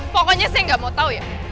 pokoknya saya gak mau tau ya